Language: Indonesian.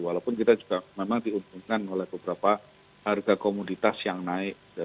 walaupun kita juga memang diuntungkan oleh beberapa harga komoditas yang naik